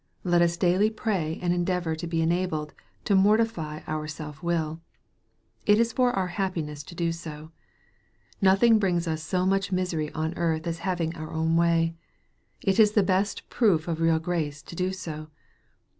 Let us daily pray and endeavor to be enabled to mortify our self will. It is for our happiness to do so. Nothing brings us so much misery on earth as having our own way. It is the best proof of real grace to do so.